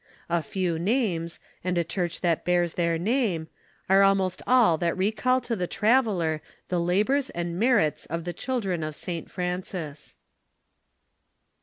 A few names, and a church that bears their name, are almost all that recall to the traveller the labors and merits of the children of St Francis.